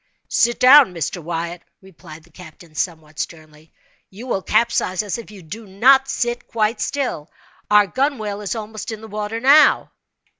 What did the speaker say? "Sit down, Mr. Wyatt," replied the captain, somewhat sternly, "you will capsize us if you do not sit quite still. Our gunwhale is almost in the water now."